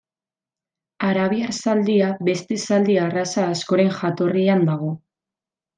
Arabiar zaldia beste zaldi arraza askoren jatorrian dago.